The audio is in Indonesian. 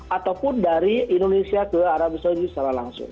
ataupun dari indonesia ke arab saudi secara langsung